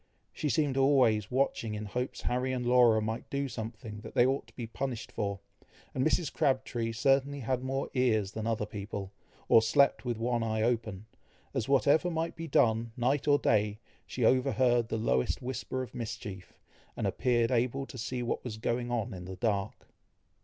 She seemed always watching in hopes Harry and Laura might do something that they ought to be punished for; and Mrs. Crabtree certainly had more ears than other people, or slept with one eye open, as, whatever might be done, night or day, she overheard the lowest whisper of mischief, and appeared able to see what was going on in the dark.